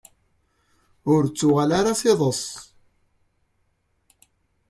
Ur ttuɣal ara s iḍes.